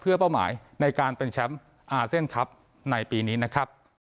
เพื่อเป้าหมายในการเป็นแชมป์อาเซียนครับในปีนี้นะครับ